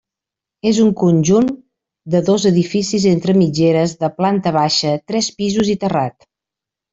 És un conjunt de dos edificis entre mitgeres de planta baixa, tres pisos i terrat.